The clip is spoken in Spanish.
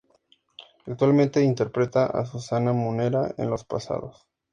Actualmente interpreta a "Susana Munera" en Los Posados.